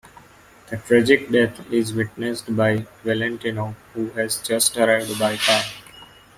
The tragic death is witnessed by Valentinov who has just arrived by car.